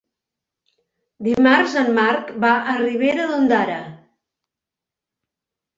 Dimarts en Marc va a Ribera d'Ondara.